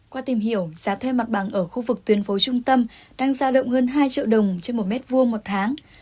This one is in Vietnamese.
qua tìm hiểu giá thuê mặt bằng ở khu vực tuyến phố trung tâm đang giao động hơn hai triệu đồng trên một m hai một tháng